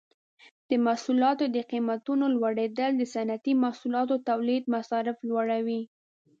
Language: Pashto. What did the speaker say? د محصولاتو د قیمتونو لوړیدل د صنعتي محصولاتو تولید مصارف لوړوي.